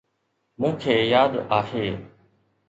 مون کي ياد آهي.